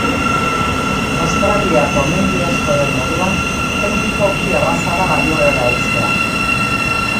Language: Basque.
Australiako mendi askoren moduan teknikoki erraza da gailurrera heltzea.